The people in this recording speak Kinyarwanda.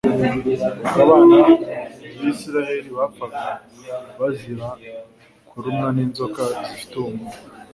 Ubwo abana b’Isiraheli bapfaga bazira kurumwa n’inzoka zifite ubumara,